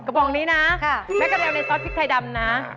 กระป๋องนี้นะแม่กระเรวในซอสพริกไทยดำนะ